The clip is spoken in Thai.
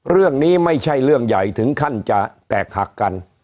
เรื่องนี้ไม่ใช่เรื่องใหญ่ถึงขั้นจะแตกหักกัน